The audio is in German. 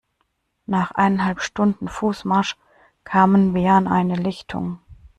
Nach eineinhalb Stunden Fußmarsch kamen wir an eine Lichtung.